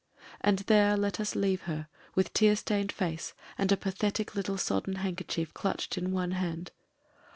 And there let us leave her with tear stained face and a pathetic little sodden handker chief clutched in one hand.